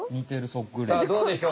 さあどうでしょう？